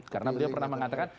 karena dia pernah mengatakan